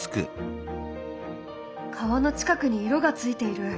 川の近くに色がついている。